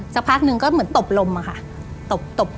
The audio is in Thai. สักพักหนึ่งก็เหมือนตบลมอะค่ะ